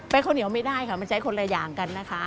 ข้าวเหนียวไม่ได้ค่ะมันใช้คนละอย่างกันนะคะ